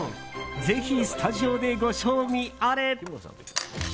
ぜひスタジオでご賞味あれ。